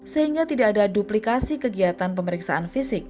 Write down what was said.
sehingga tidak ada duplikasi kegiatan pemeriksaan fisik